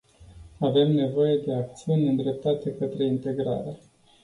Avem nevoie de acțiuni îndreptate către integrare.